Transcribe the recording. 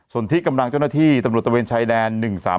ส่วนที่กำลังเจ้าหน้าที่ตำรวจตะเวนชายแดน๑๓๓